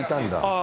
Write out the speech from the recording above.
あ